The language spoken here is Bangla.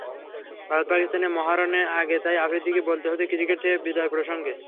ভারত-পাকিস্তান মহারণের আগে তাই আফ্রিদিকে বলতে হলো ক্রিকেট থেকে বিদায় প্রসঙ্গে।